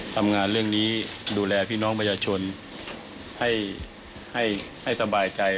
ทำงานเรื่องนี้ดูแลพี่น้องประชาชนให้สบายใจ